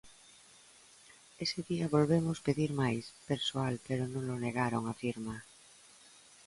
"Ese día volvemos pedir máis persoal pero nolo negaron", afirma.